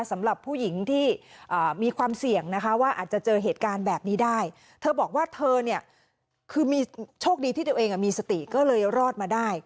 สำหรับผู้หญิงที่มีความเสี่ยงนะคะว่าอาจจะเจอเหตุการณ์แบบนี้ได้เธอบอกว่าเธอเนี่ยคือมีโชคดีที่ตัวเองมีสติก็เลยรอดมาได้